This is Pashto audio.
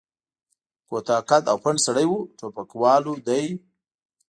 کوتاه قد او پنډ سړی و، ټوپکوالو دی.